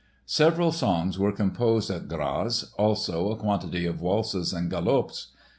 Several songs were composed at Graz, also a quantity of waltzes and galops.